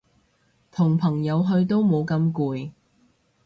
同朋友去都冇咁攰